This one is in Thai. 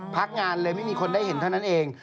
พักงานเลยไม่มีคนได้เห็นเท่านั้นเอง